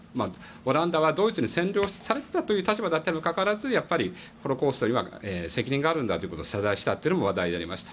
オランダはドイツに占領された立場だったにもかかわらずやっぱりホロコーストには責任があるんだと謝罪したというのも話題になりました。